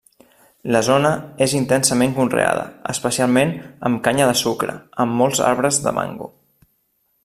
La zona és intensament conreada, especialment amb canya de sucre, amb molts arbres de mango.